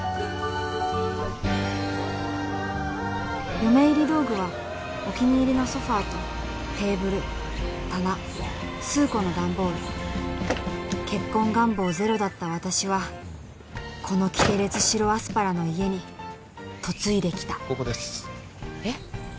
嫁入り道具はお気に入りのソファーとテーブル棚数個のダンボール結婚願望ゼロだった私はこのキテレツ白アスパラの家に嫁いできたここですえっ！？